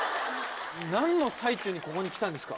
なんの最中にここに来たんですか。